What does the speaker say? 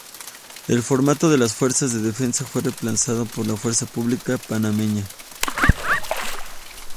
El formato de las Fuerzas de Defensa fue reemplazado por la fuerza pública panameña.